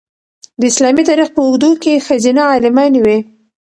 د اسلامي تاریخ په اوږدو کې ښځینه عالمانې وې.